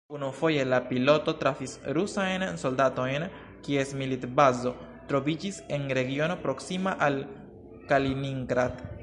Unufoje la piloto trafis rusajn soldatojn, kies militbazo troviĝis en regiono proksima al Kaliningrad.